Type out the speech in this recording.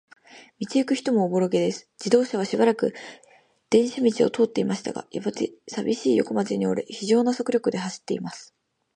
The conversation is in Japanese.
道ゆく人もおぼろげです。自動車はしばらく電車道を通っていましたが、やがて、さびしい横町に折れ、ひじょうな速力で走っています。